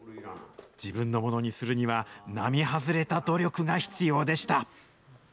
自分のものにするには、並外れた努力が必要でした。